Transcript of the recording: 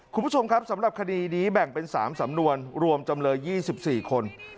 คุณผู้ชมครับสำหรับคดีนี้แบ่งเป็น๓สำนวนรวมจำเลย๒๔คน